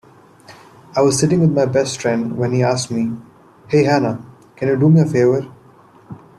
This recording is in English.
I was sitting with my best friend when he asked me, "Hey Hannah, can you do me a favor?"